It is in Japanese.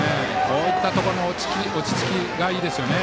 こういったところの落ち着きがいいですよね。